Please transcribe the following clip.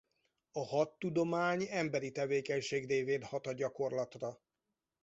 A hadtudomány emberi tevékenység révén hat a gyakorlatra.